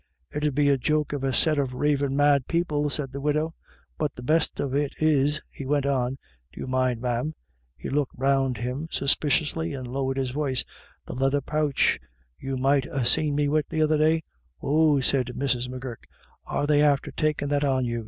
" It 'ud be the joke of a set of ravin' mad peo ple," said the widow. " But the best of it is," he went on, " do you mind, ma'am "— he looked round him suspiciously and lowered his voice — "the leather pooch you might ha' seen wid me the other day ?" "Whoo!" said Mrs. M'Gurk, "are they after takin' that on you?